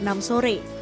tidak ada biaya masuk